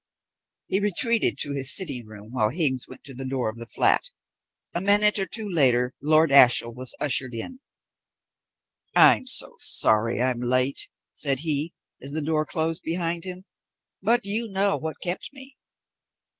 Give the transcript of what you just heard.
He retreated to his sitting room while Higgs went to the door of the flat. A minute or two later Lord Ashiel was ushered in. "I'm very sorry I'm late," said he, as the door closed behind him, "but you know what kept me."